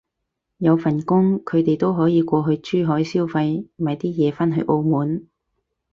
有份工，佢哋都可以過去珠海消費買啲嘢返去澳門